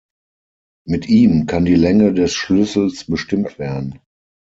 Mit ihm kann die Länge des Schlüssels bestimmt werden.